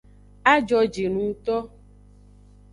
A jojinungto.